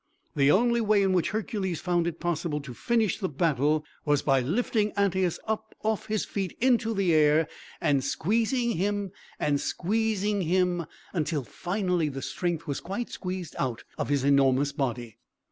The only way in which Hercules found it possible to finish the battle was by lifting Antæus off his feet into the air, and squeezing, and squeezing, and squeezing him until, finally, the strength was quite squeezed out of his enormous body.